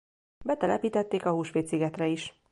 Betelepítették a Húsvét-szigetre is.